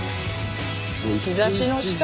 日ざしの下だ。